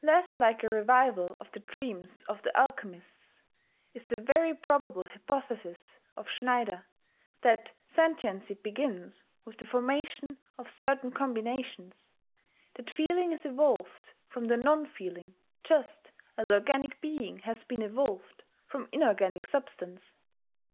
Less like a revival of the dreams of the Alchemists is the very probable hypothesis of Schneider, that sentiency begins with the formation of certain combinations, that feeling is evolved from the non feeling just as organic being has been evolved from inorganic substance.